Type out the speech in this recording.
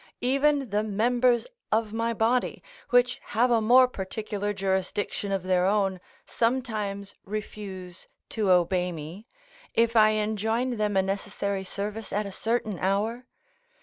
Even the members of my body, which have a more particular jurisdiction of their own, sometimes refuse to obey me, if I enjoin them a necessary service at a certain hour.